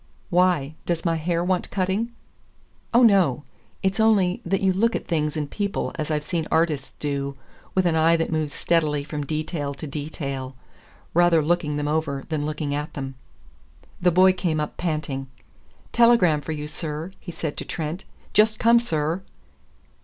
"Why? Does my hair want cutting?" "Oh, no! It's only that you look at things and people as I've seen artists do, with an eye that moves steadily from detail to detail rather looking them over than looking at them." The boy came up panting. "Telegram for you, sir," he said to Trent. "Just come, sir."